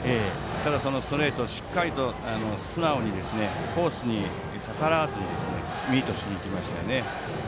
ただ、そのストレートをしっかりと素直にコースに逆らわずミートしにいきましたよね。